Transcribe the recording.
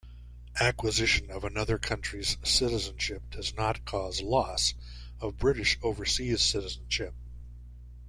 Acquisition of another country's citizenship does not cause loss of British Overseas citizenship.